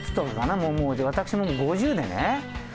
もう私も５０でね。